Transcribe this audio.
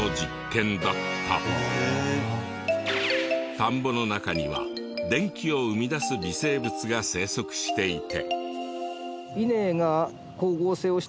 田んぼの中には電気を生み出す微生物が生息していて。